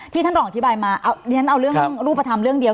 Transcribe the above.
ที่ท่านหลองอธิบายมาในนั้นเอารูปธรรมเลือกเดียว